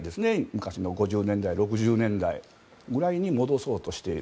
昔の５０年代、６０年代ぐらいに戻そうとしている。